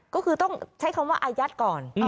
ก็คือต้องใช้คำว่าอายัดก่อน